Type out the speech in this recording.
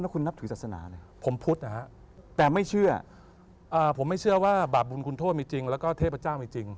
คุณนับถือศาสนาเลยผมพุทธนะฮะแต่ไม่เชื่อผมไม่เชื่อว่าบาปบุญคุณโทษมีจริงแล้วก็เทพเจ้ามีจริง